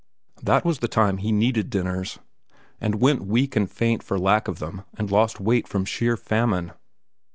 That was the time he needed dinners, and went weak and faint for lack of them and lost weight from sheer famine.